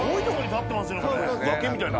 崖みたいな。